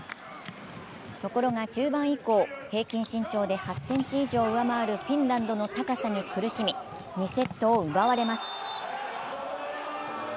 ところが中盤以降、平均身長で８ｃｍ以上、上回るフィンランドの高さに苦しみ２セットを奪われます。